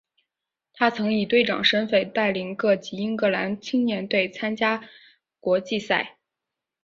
他曾以队长身份带领各级英格兰青年队参加国际赛。